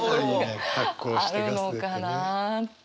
あるのかなって。